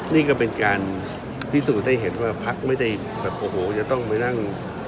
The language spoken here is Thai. นี่ก็เป็นการพิสูจน์ให้เห็นว่าพักไม่ได้แบบโอ้โหจะต้องไปนั่ง